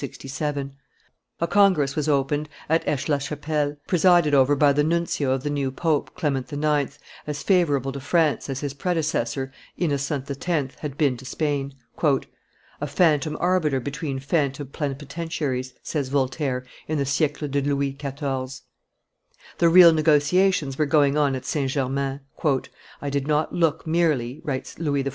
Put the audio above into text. A congress was opened at Aix la Chapelle, presided over by the nuncio of the new pope, Clement IX., as favorable to France as his predecessor, Innocent X., had been to Spain. "A phantom arbiter between phantom plenipotentiaries," says Voltaire, in the Siecle de Louis XIV. The real negotiations were going on at St. Germain. "I did not look merely," writes Louis XIV.